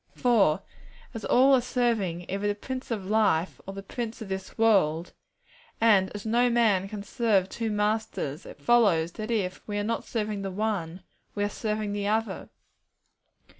For as all are serving either the Prince of Life or the prince of this world, and as no man can serve two masters, it follows that if we are not serving the one, we are serving the other.